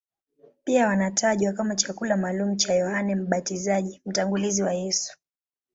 Pia wanatajwa kama chakula maalumu cha Yohane Mbatizaji, mtangulizi wa Yesu.